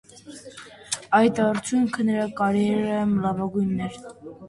Այդ արդյունքը նրա կարիերայում լավագույնն էր։